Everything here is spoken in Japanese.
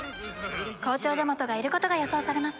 校長ジャマトがいることが予想されます。